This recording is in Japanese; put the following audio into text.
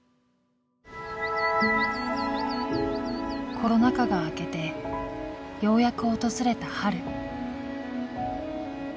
コロナ禍が明けてようやく訪れた春。